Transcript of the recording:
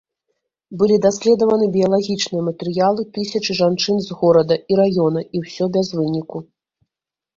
Былі даследаваны біялагічныя матэрыялы тысячы жанчын з горада і раёна, і ўсё без выніку.